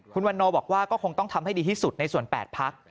คุณวันโนบอกว่าก็คงต้องทำให้ดีที่สุดในส่วน๘พัก